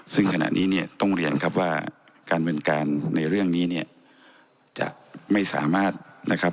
ซึ่งขณะนี้เนี่ยต้องเรียนครับว่าการเมืองการในเรื่องนี้เนี่ยจะไม่สามารถนะครับ